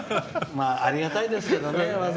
ありがたいですけどね。